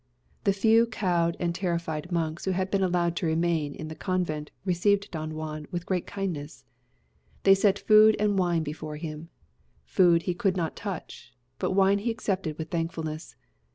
The few cowed and terrified monks who had been allowed to remain in the convent received Don Juan with great kindness. They set food and wine before him: food he could not touch, but wine he accepted with thankfulness.